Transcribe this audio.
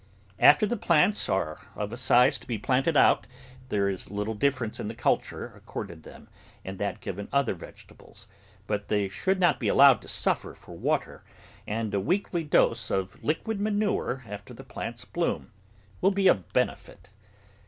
After the plants are of a size to be planted out there is little difference in the culture accorded them and that given other vegetables, but they should not be allowed to suffer for water, and a weekly dose of liquid manure after the plants bloom will be of benefit.